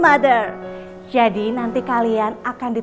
aku sampai ke banner